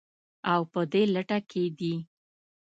او په دې لټه کې دي